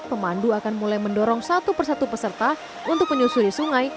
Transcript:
pemandu akan mulai mendorong satu persatu peserta untuk menyusuri sungai